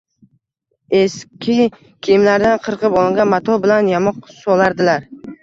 eski kiyimlardan qirqib olingan mato bilan yamoq solardilar.